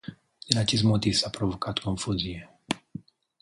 Din acest motiv s-a provocat confuzie.